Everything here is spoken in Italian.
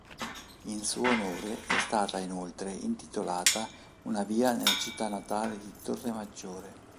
In suo onore è stata inoltre intitolata una via nella città natale di Torremaggiore.